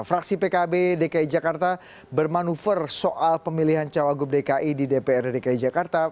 fraksi pkb dki jakarta bermanuver soal pemilihan cawagup dki di dprd dki jakarta